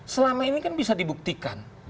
selama ini kan bisa dibuktikan